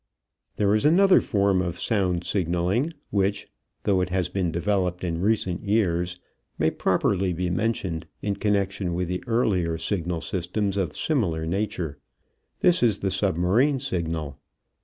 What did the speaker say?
There is another form of sound signaling which, though it has been developed in recent years, may properly be mentioned in connection with earlier signal systems of similar nature. This is the submarine signal.